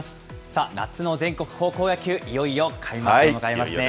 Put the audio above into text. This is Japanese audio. さあ、夏の全国高校野球、いよいよ開幕でございますね。